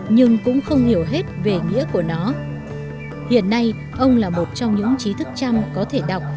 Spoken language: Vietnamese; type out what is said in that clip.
nhưng cũng không hiểu hết về nghĩa của nó hiện nay ông là một trong những trí thức trăm có thể đọc